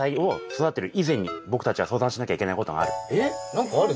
何かある？